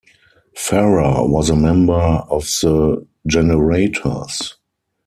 Ferrer was a member of The Jenerators.